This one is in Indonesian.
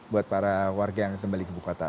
buat para warga yang kembali ke bukata